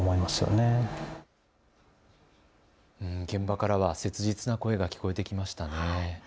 現場からは切実な声が聞こえてきましたね。